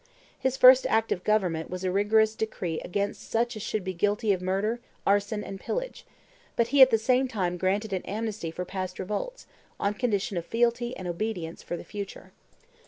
His first act of government was a rigorous decree against such as should be guilty of murder, arson, and pillage; but he at the same time granted an amnesty for past revolts, on condition of fealty and obedience for the future.